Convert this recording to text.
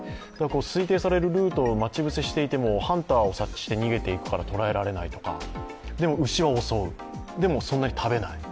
推定されるルートで待ち伏せしていてもハンターを察知して逃げていくから捕らえられないとか、でも牛は襲う、でもそんなに食べない。